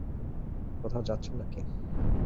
কোথাও যাচ্ছ নাকি?